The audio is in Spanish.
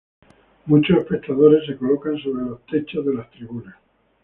Muchos espectadores se colocan sobre los techos de las tribunas.